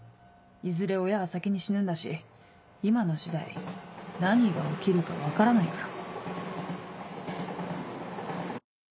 いずれ親は先に死ぬんだし今の時代何が起きるか分からないから。